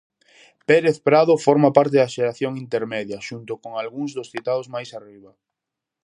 Pérez Prado forma parte da xeración intermedia, xunto con algúns dos citados máis arriba.